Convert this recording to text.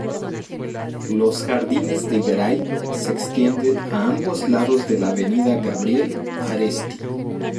Los jardines de Garai se extienden a ambos lados de la avenida Gabriel Aresti.